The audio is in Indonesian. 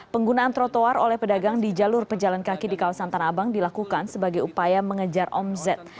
penggunaan trotoar oleh pedagang di jalur pejalan kaki di kawasan tanah abang dilakukan sebagai upaya mengejar omzet